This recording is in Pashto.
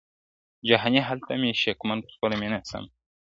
جهاني هلته مي شکمن پر خپله مینه سمه `